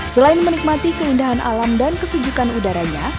selain menikmati keindahan alam dan kesejukan udaranya